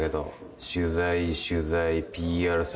取材取材ＰＲ撮影。